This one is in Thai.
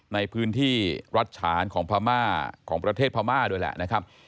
ในพื้นที่รัฐฉานของพม่าของประเทศพม่าด้วยแหละนะครับ